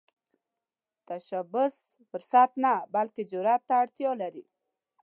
تشبث فرصت نه، بلکې جرئت ته اړتیا لري